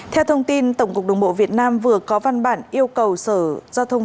theo thông tin tổng cục đồng bộ việt nam vừa có văn bản yêu cầu sở giao thông